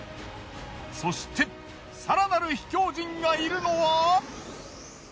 そして更なる秘境人がいるのは。